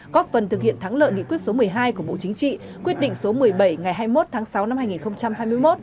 góp phần thực hiện thắng lợi nghị quyết số một mươi hai của bộ chính trị quyết định số một mươi bảy ngày hai mươi một tháng sáu năm hai nghìn hai mươi một